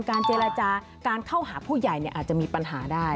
เจรจาการเข้าหาผู้ใหญ่อาจจะมีปัญหาได้